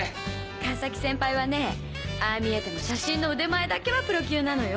川崎先輩はねああ見えても写真の腕前だけはプロ級なのよ。